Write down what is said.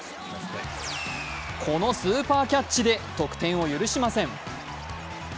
このスーパーキャッチで得点を許しません。